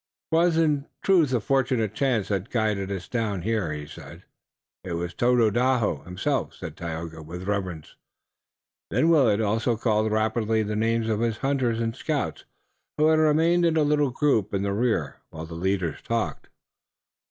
"'Twas in truth a fortunate chance that guided us down here," he said. "It was Tododaho himself," said Tayoga with reverence. Then Willet also called rapidly the names of his hunters and scouts, who had remained in a little group in the rear, while the leaders talked.